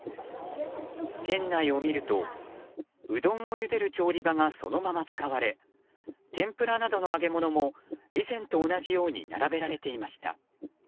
店内を見るとうどんをゆでる調理場がそのまま使われ天ぷらなどの揚げ物も以前と同じように並べられていました。